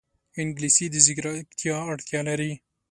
انګلیسي د ځیرکتیا اړتیا لري